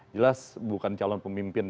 jelas bukan calon pemimpin